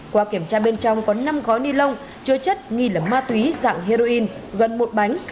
qua kiểm tra bên trong có năm gói ni lông chứa chất nghi là ma túy dạng heroin gần một bánh